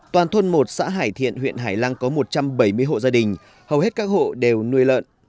toàn thôn một xã hải thiện huyện hải lăng có một trăm bảy mươi hộ gia đình hầu hết các hộ đều nuôi lợn